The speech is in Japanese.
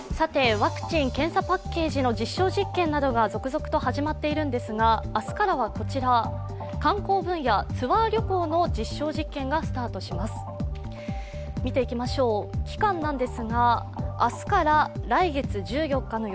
ワクチン検査パッケージの実証実験などが続々と始まっているんですが明日からは観光分野、ツアー旅行の実証実験がスタートします。